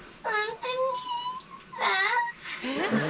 「えっ？